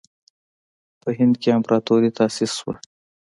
په هند کې امپراطوري تأسیس شوه.